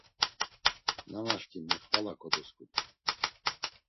Nanaşǩimi xvala kodosǩudu.